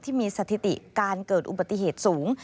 ที่มีสถิติการเกิดอุบัติเหตุสูง